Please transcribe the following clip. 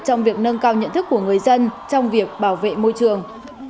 trong việc nâng cao nhận thức của người dân trong việc bảo vệ môi trường